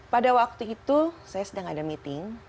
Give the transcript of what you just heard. pada waktu itu saya sedang ada meeting